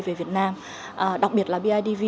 về việt nam đặc biệt là bidv